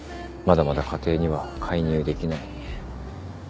まだまだ家庭には介入できない。